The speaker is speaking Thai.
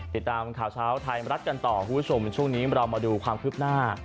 ติดตามข่าวเช้าไทยรัฐกันต่อคุณผู้ชมช่วงนี้เรามาดูความคืบหน้า